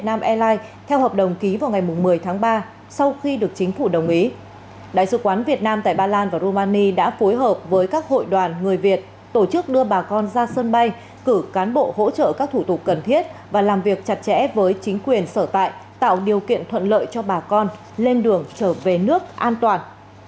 theo hợp đồng ký vào ngày một mươi tháng ba sau khi được chính phủ đồng ý đại sứ quán việt nam tại ba lan và romani đã phối hợp với các hội đoàn người việt tổ chức đưa bà con ra sân bay cử cán bộ hỗ trợ các thủ tục cần thiết và làm việc chặt chẽ với chính quyền sở tại tạo điều kiện thuận lợi cho bà con lên đường trở về nước an toàn